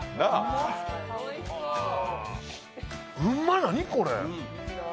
うま、うま、何これ！